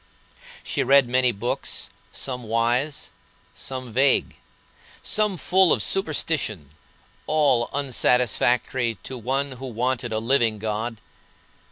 She read many books, some wise, some vague, some full of superstition, all unsatisfactory to one who wanted a living God.